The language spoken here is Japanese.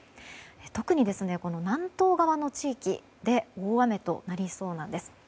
特に、南東側の地域で大雨となりそうなんです。